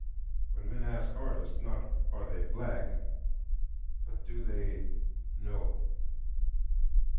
When men ask artists, not "Are they black?" but "Do they know?"